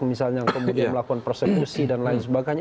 misalnya yang kemudian melakukan prosekusi dan lain sebagainya